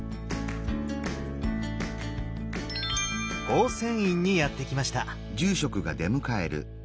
宝泉院にやって来ました。